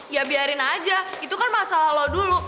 ya biarin aja itu kan masalah lo dulu